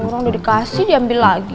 orang udah dikasih diambil lagi